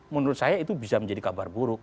menurut saya itu bisa menjadi kabar buruk